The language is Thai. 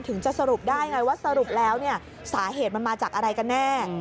จะสรุปได้ไงว่าสรุปแล้วสาเหตุมันมาจากอะไรกันแน่